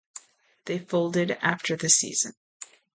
They folded after the season.